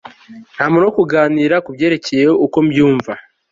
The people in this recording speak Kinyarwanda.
ntamuntu wo kuganira kubyerekeye uko mbyumva